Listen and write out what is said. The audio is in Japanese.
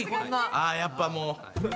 ああやっぱもう。